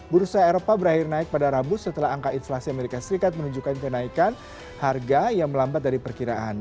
bursa eropa berakhir naik pada rabu setelah angka inflasi amerika serikat menunjukkan kenaikan harga yang melambat dari perkiraan